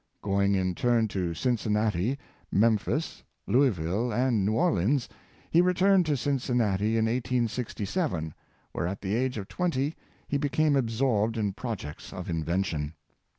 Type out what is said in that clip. Going in turn to Cincinnati, Memphis, Louisville and New Orleans, he returned to Cincinnati in 1867, where, 184 TJioiuas A. Edison. at the age of twenty, he became absorbed in projects of invention.